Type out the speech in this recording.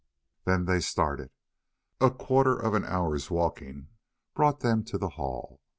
Then they started. A quarter of an hour's walking brought them to the Hall.